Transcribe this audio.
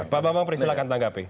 pak bapak fri silahkan tanggapi